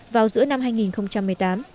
vào giữa năm hai nghìn một mươi tám